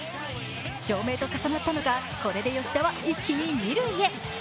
照明と重なったのかこれで吉田は一気に二塁へ。